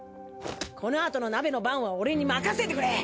このあとの鍋の番は俺に任せてくれ。